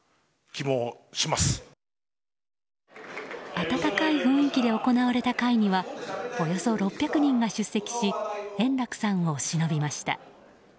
温かい雰囲気で行われた会にはおよそ６００人が出席し円楽さんをしのびました。